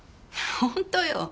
本当よ。